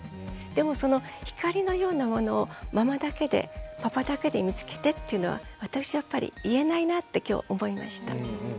でもその光のようなものをママだけでパパだけで見つけてっていうのは私はやっぱり言えないなって今日思いました。